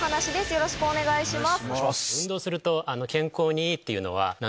よろしくお願いします。